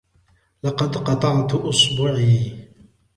لقد قطعت اصبعي.